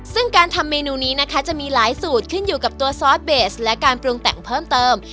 ซึ่งการทำเมนูนี้นะคะจะมีหลายสูตรขึ้นอยู่กับตัวซอสเบสและการปรุงแต่งเพิ่มเติม